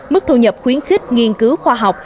mức thu nhập khuyến khích nghiên cứu khoa học